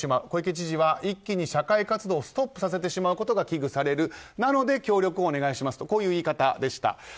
小池知事は一気に社会活動をストップさせてしまうことが危惧される、なので協力をお願いしますという言い方でした。